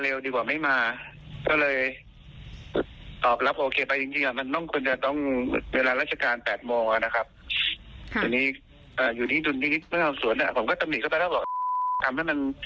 โดยนี่อยู่ที่สวรรค์นี่ผมก็จะ๒๑ไปแล้วบอกทำให้มัน